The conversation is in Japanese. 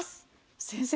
先生